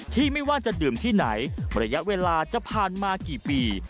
ไม่ว่าจะดื่มที่ไหนระยะเวลาจะผ่านมากี่ปี